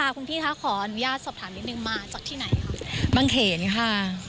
คุณพี่คะขออนุญาตสอบถามนิดนึงมาจากที่ไหนคะบางเขนค่ะ